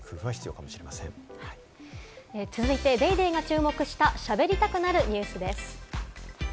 続いて『ＤａｙＤａｙ．』が注目した「しゃべりたくなるニュス」です。